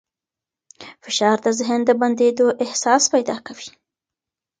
فشار د ذهن د بندېدو احساس پیدا کوي.